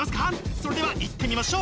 それではいってみましょう！